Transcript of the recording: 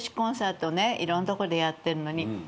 いろんなとこでやってんのに。